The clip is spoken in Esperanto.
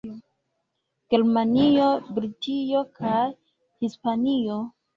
Germanio, Britio kaj Hispanio.